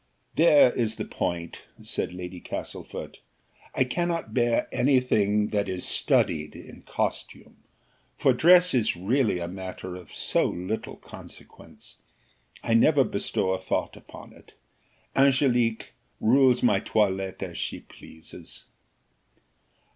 "There is the point," said Lady Castlefort. "I cannot bear any thing that is studied in costume, for dress is really a matter of so little consequence! I never bestow a thought upon it. Angelique rules my toilette as she pleases."